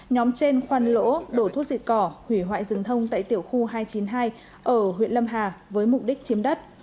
nhóm trên khoan lỗ đổ thuốc diệt cỏ hủy hoại rừng thông tại tiểu khu hai trăm chín mươi hai ở huyện lâm hà với mục đích chiếm đất